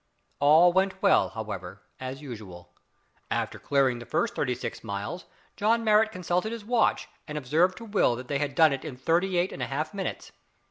All went well, however, as usual. After clearing the first thirty six miles John Marrot consulted his watch, and observed to Will that they had done it in thirty eight and a half minutes.